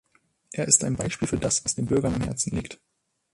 Er ist ein Beispiel für das, was den Bürgern am Herzen liegt.